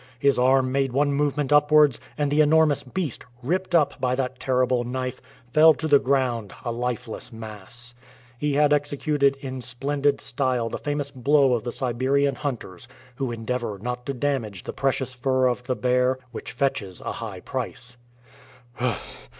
His arm made one movement upwards, and the enormous beast, ripped up by that terrible knife, fell to the ground a lifeless mass. He had executed in splendid style the famous blow of the Siberian hunters, who endeavor not to damage the precious fur of the bear, which fetches a high price.